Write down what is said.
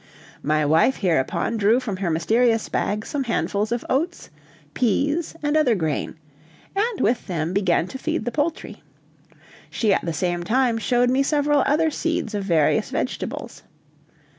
My wife hereupon drew from her mysterious bag some handfuls of oats, peas, and other grain, and with them began to feed the poultry. She at the same time showed me several other seeds of various vegetables.